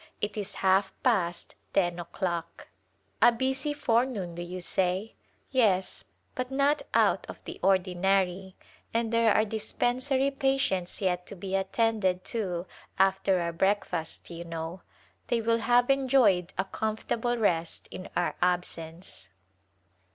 It is half past ten o'clock. A busy forenoon, do you say ? Yes, but not out of the ordinary, and there are dispensary patients yet to be attended to after our breakfast, you know. They will have enjoyed a comfortable rest in our absence.